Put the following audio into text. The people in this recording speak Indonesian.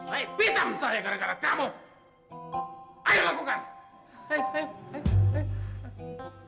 hei pita mintah saya gara gara kamu